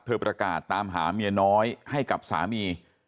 ประกาศตามหาเมียน้อยให้กับสามี